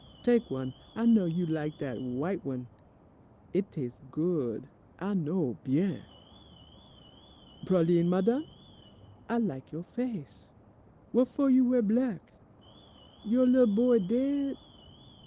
Tak' one, I know you lak dat w'ite one. It tas' good, I know, bien. "Pralines, madame? I lak' you' face. What fo' you wear black? You' lil' boy daid?